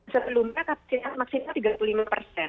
sebelumnya maksimal tiga puluh lima persen